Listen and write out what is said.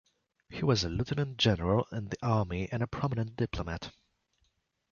He was a Lieutenant-General in the Army and a prominent diplomat.